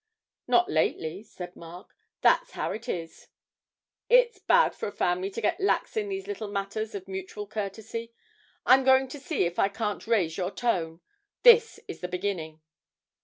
'Not lately,' said Mark; 'that's how it is it's bad for a family to get lax in these little matters of mutual courtesy. I'm going to see if I can't raise your tone this is the beginning.'